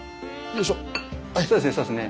そうですねそうですね。